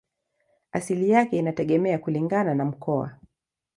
Asili yake inategemea kulingana na mkoa.